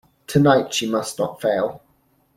Tonight she must not fail.